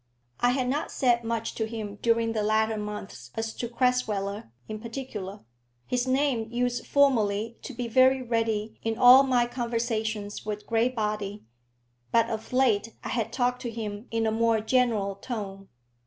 I had not said much to him during the latter months as to Crasweller, in particular. His name used formerly to be very ready in all my conversations with Graybody, but of late I had talked to him in a more general tone.